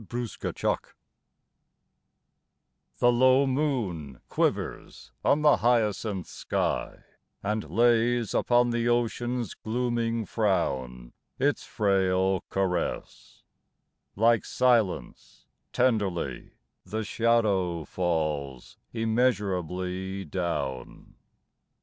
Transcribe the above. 126 XXXIII THE low moon quivers on the hyacinth sky, And lays upon the ocean's glooming frown Its frail caress ; like silence tenderly The shadow falls immeasurably down.